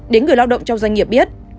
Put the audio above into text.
đến người lao động trong doanh nghiệp biết